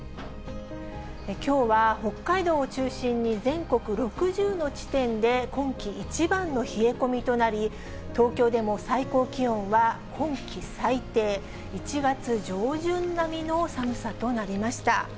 きょうは北海道を中心に、全国６０の地点で今季一番の冷え込みとなり、東京でも最高気温は今季最低、１月上旬並みの寒さとなりました。